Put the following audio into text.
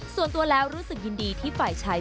ส่วนตัวแล้วรู้สึกยินดีที่ฝ่ายชาย